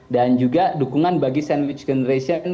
dan juga dukungan bagi sandwich generation yaitu program kesehatan mental